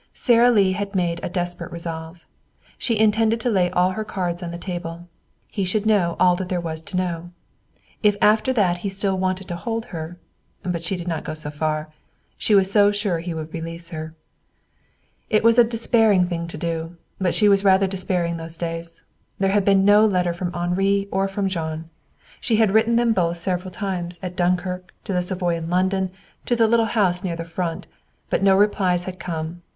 Sara Lee had made a desperate resolve. She intended to lay all her cards on the table. He should know all that there was to know. If, after that, he still wanted to hold her but she did not go so far. She was so sure he would release her. It was a despairing thing to do, but she was rather despairing those days. There had been no letter from Henri or from Jean. She had written them both several times, to Dunkirk, to the Savoy in London, to the little house near the Front. But no replies had come.